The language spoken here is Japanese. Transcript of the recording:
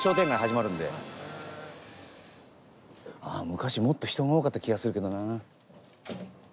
昔もっと人が多かった気がするけどな。